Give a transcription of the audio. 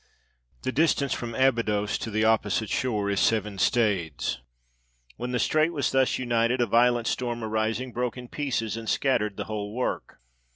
The distance from Abydos to the opposite shore is seven stades. When the strait was thus united, a violent storm arising, broke in pieces and scattered the whole work.